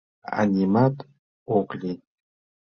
— А нимат ок лий.